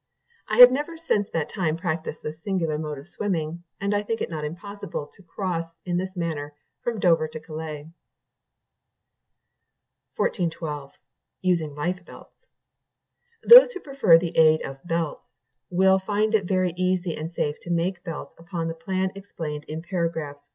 I have never since that time practised this singular mode of swimming, and I think it not impossible to cross, in this manner, from Dover to Calais." 1412. Using Life Belts. Those who prefer the Aid of Belts will find it very easy and safe to make belts upon the plan explained in pars.